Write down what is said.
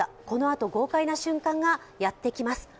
この後、豪快な瞬間がやってきます